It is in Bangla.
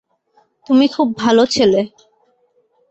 তুমি খুব ভালো ছেলে।